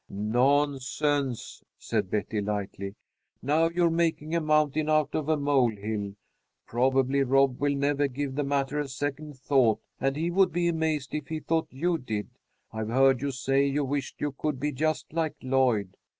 "Nonsense," said Betty, lightly. "Now you're making a mountain out of a mole hill. Probably Rob will never give the matter a second thought, and he would be amazed if he thought you did. I've heard you say you wished you could be just like Lloyd.